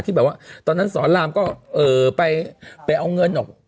แบบว่าตอนนั้นสอนรามก็ไปเอาเงินออก